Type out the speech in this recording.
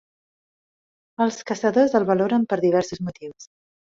Els caçadors el valoren per diversos motius.